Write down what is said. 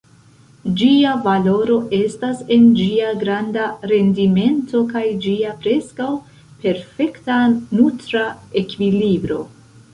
Ĝia valoro estas en ĝia granda rendimento kaj ĝia preskaŭ perfekta nutra ekvilibro.